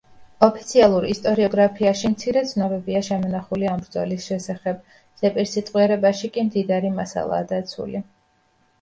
ოფიციალურ ისტორიოგრაფიაში მცირე ცნობებია შემონახული ამ ბრძოლის შესახებ, ზეპირსიტყვიერებაში კი მდიდარი მასალაა დაცული.